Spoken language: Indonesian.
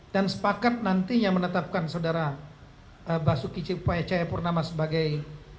dan sepakat nantinya menetapkan saudara basuki cepayacaya purnama sebagai